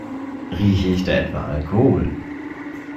Rieche ich da etwa Alkohol?